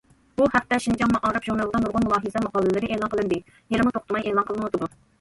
بۇ ھەقتە« شىنجاڭ مائارىپ» ژۇرنىلىدا نۇرغۇن مۇلاھىزە ماقالىلىرى ئېلان قىلىندى، ھېلىمۇ توختىماي ئېلان قىلىنىۋاتىدۇ.